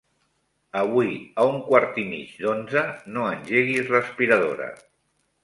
Avui a un quart i mig d'onze no engeguis l'aspiradora.